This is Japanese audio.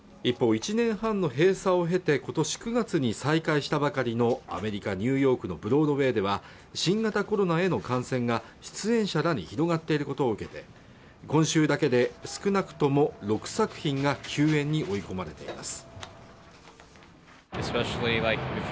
１年半の閉鎖を経て今年９月に再開したばかりのアメリカニューヨークのブロードウェイでは新型コロナへの感染が出演者らに広がっていることを受けて今週だけで少なくとも６作品が休演に追い込まれています